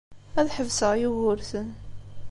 Ad ḥebseɣ Yugurten.